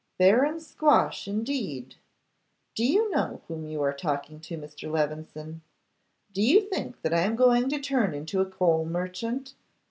'Baron Squash, indeed! Do you know whom you are talking to, Mr. Levison? Do you think that I am going to turn into a coal merchant?